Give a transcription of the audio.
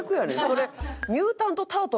それ。